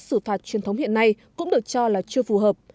xử phạt truyền thống hiện nay cũng được cho là chưa phù hợp